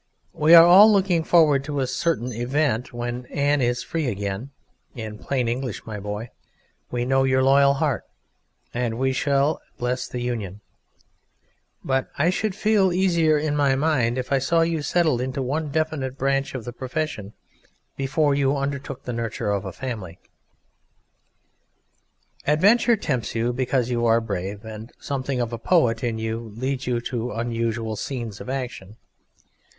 We are all looking forward to a certain event when Anne is free again; in plain English, my boy, we know your loyal heart, and we shall bless the union; but I should feel easier in my mind if I saw you settled into one definite branch of the profession before you undertook the nurture of a family. Adventure tempts you because you are brave, and something of a poet in you leads you to unusual scenes of action.